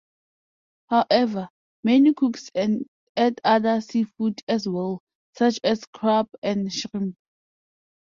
However, many cooks add other seafood as well, such as crab and shrimp.